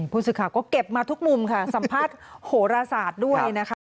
ผู้สื่อข่าวก็เก็บมาทุกมุมค่ะสัมภาษณ์โหรศาสตร์ด้วยนะคะ